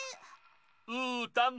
うーたん！